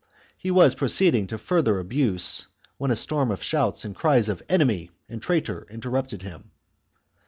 He was proceeding to further abuse when a storm of shouts and cries of " Enemy " and " Traitor " interrupted him.